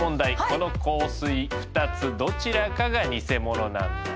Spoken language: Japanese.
この香水２つどちらかが偽物なんだ。